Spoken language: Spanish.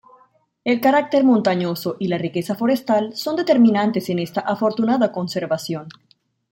El carácter montañoso y la riqueza forestal son determinantes en esta afortunada conservación.